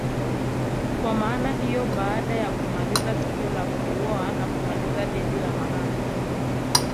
Kwa maana hiyo baada ya kumaliza tukio la kuoa na kumaliza deni la mahari